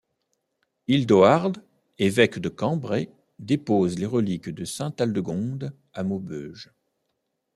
Hildoard, évêque de Cambrai, dépose les reliques de Saint Aldegonde à Maubeuge.